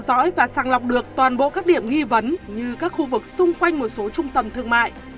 theo dõi và sàng lọc được toàn bộ các điểm nghi vấn như các khu vực xung quanh một số trung tâm thương mại